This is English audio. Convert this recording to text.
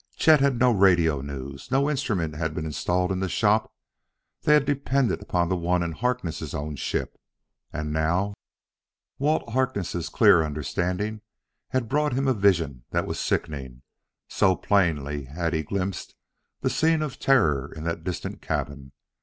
Chet had no radio news; no instrument had been installed in the shop; they had depended upon the one in Harkness' own ship. And now Walt Harkness' clear understanding had brought a vision that was sickening, so plainly had he glimpsed the scene of terror in that distant cabin.